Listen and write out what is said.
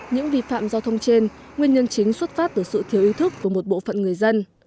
những vi phạm giao thông trên nguyên nhân chính xuất phát từ sự thiếu ý thức của một bộ phận người dân